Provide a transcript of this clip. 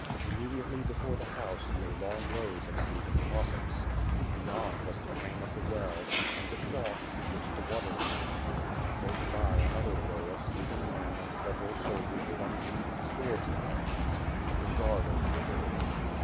Immediately before the house, lay long rows of sleeping Cossacks. Beyond was the crane of the well, and the trough, in which the water gleamed, and close by another row of sleeping men and several soldiers with im sheathied swords in their hands, keeping guard over them.